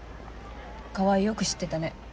川合よく知ってたね。